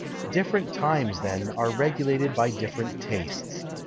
Different times, then, are regulated by different tastes.